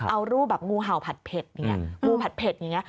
เอารูปแบบงูเห่าผัดเผ็ดงูผัดเผ็ดอย่างนี้